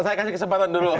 saya kasih kesempatan dulu